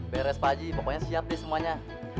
beres pak haji pokoknya siap deh semuanya